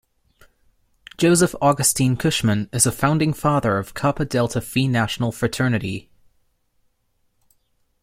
Joseph Augustine Cushman is a founding father of Kappa Delta Phi National Fraternity.